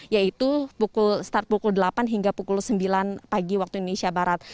yaitu start pukul delapan hingga pukul sembilan pagi waktu indonesia barat